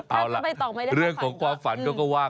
เอาล่ะเรื่องของความฝันก็ว่า